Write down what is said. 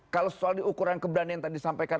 kalau soal ukuran keberanian tadi sampaikan